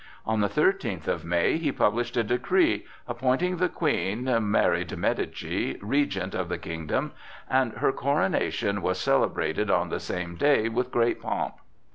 On the thirteenth of May he published a decree appointing the Queen, Mary de Médicis, Regent of the kingdom, and her coronation was celebrated on the same day with great pomp.